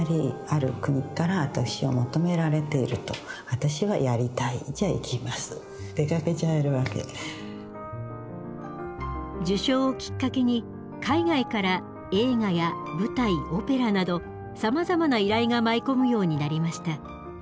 私は逆に受賞をきっかけに海外から映画や舞台オペラなどさまざまな依頼が舞い込むようになりました。